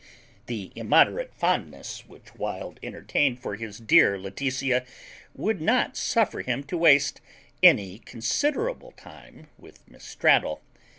The immoderate fondness which Wild entertained for his dear Laetitia would not suffer him to waste any considerable time with Miss Straddle.